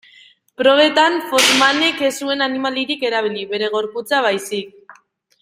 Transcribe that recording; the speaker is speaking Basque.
Probetan, Forssmanek ez zuen animaliarik erabili, bere gorputza baizik.